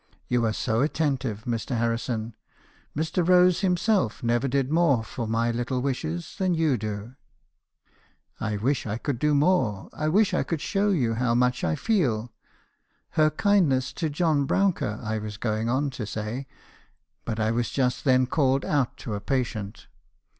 "'You are so attentive, Mr. Harrison. Mr. Rose himself never did more for my little wishes than you do.' " '1 wish I could do more, — I wish I could show you how ME. HJLBKISOn's CONFESSIONS. 295 much I feel —' her kindness to John Brouncker, I was going on to say ; but I was just then called out to a patient.